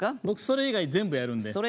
僕それ以外全部やるんで。